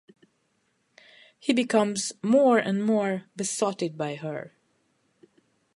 He becomes more and more besotted by her.